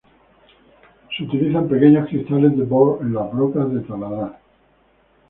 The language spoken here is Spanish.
Se utilizan pequeños cristales de bort en las brocas de taladrar.